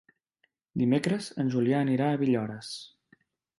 Dimecres en Julià anirà a Villores.